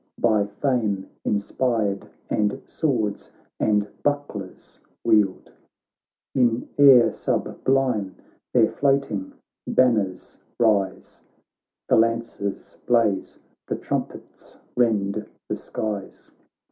By fame inspired, and swords and buck lers wield ; In air sublime their floating banners rise. The lances blaze, the trumpets rend the skies.